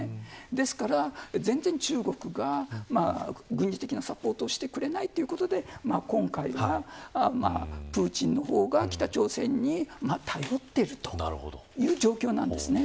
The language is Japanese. なので中国が全然、軍事的なサポートをしてくれないということで今回はプーチンの方から北朝鮮に頼っているという状況です。